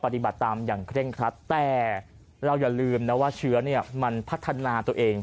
แต่เราอย่าลืมนะว่าเชื้อมันพัฒนาตัวเอง